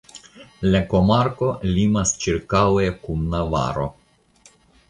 La komarko limas ĉirkaŭe kun Navaro.